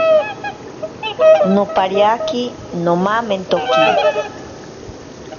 Nopariake nomamentoki.